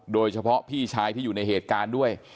โดยเฉพาะพี่ชายที่อยู่ในเหตุการณ์ด้วย